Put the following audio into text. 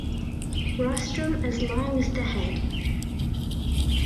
Rostrum as long as the head.